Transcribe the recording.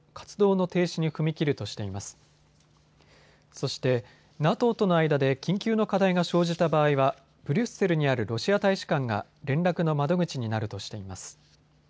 そしてＮＡＴＯとの間で緊急の課題が生じた場合はブリュッセルにあるロシア大使館が連絡の窓口になるとしています。